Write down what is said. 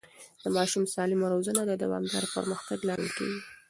د ماشوم سالمه روزنه د دوامدار پرمختګ لامل کېږي.